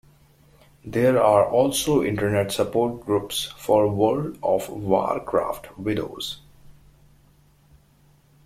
There are also Internet support groups for "World of Warcraft" widows.